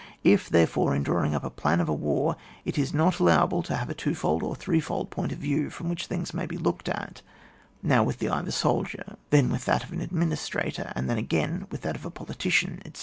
If, therefore, in drawing up a plan of a war it is not allowable to have a two fold or three fold point of view, from which things may be looked at, now with the eye of a soldier, then with that of an administrator, and then again with that of a politician, etc.